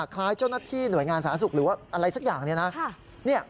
ลักษณะคล้ายเจ้าหน้าที่หน่วยงานสหรัฐศึกหรือว่าอะไรสักอย่างนี่นะ